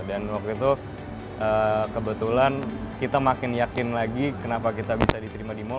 waktu itu kebetulan kita makin yakin lagi kenapa kita bisa diterima di mal